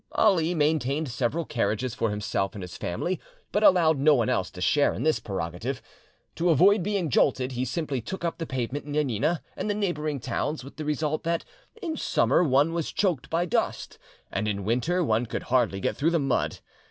Ali maintained several carriages for himself and his family, but allowed no one else to share in this prerogative. To avoid being jolted, he simply took up the pavement in Janina and the neighbouring towns, with the result that in summer one was choked by dust, and in winter could hardly get through the mud.